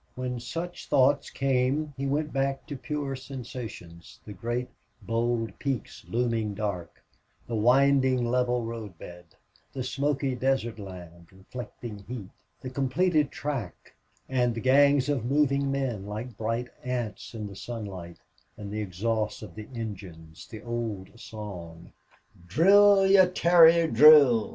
When such thoughts came he went back to pure sensations, the great, bold peaks looming dark, the winding, level road bed, the smoky desert land, reflecting heat, the completed track and gangs of moving men like bright ants in the sunlight, and the exhaust of the engines, the old song, "Drill, ye terriers, drill!"